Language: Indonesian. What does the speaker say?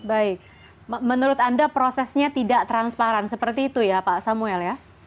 baik menurut anda prosesnya tidak transparan seperti itu ya pak samuel ya